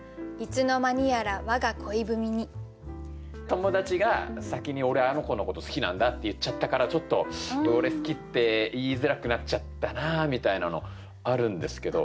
友達が先に「俺あの子のこと好きなんだ」って言っちゃったからちょっと俺好きって言いづらくなっちゃったなあみたいなのあるんですけど。